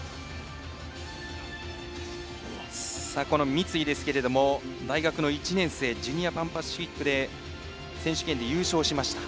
三井ですけれども大学の１年生ジュニアパンパシフィックで選手権で優勝しました。